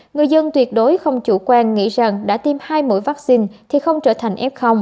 người dân tuyệt đối không chủ quan nghĩ rằng đã tiêm hai mũi vaccine thì không trở thành f